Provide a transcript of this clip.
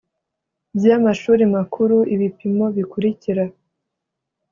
by amashuri makuru Ibipimo bikurikira